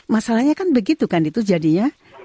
masalahnya kan begitu kan itu jadinya